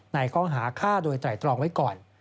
ข้อหาฆ่าโดยไตรตรองไว้ก่อน